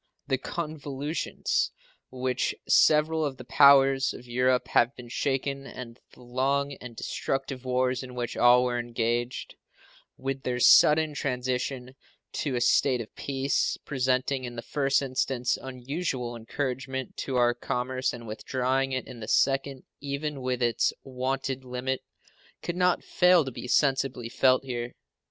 The convulsions with which several of the powers of Europe have been shaken and the long and destructive wars in which all were engaged, with their sudden transition to a state of peace, presenting in the first instance unusual encouragement to our commerce and withdrawing it in the second even within its wonted limit, could not fail to be sensibly felt here.